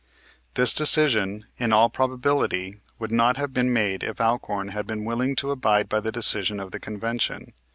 This decision, in all probability, would not have been made if Alcorn had been willing to abide by the decision of the convention.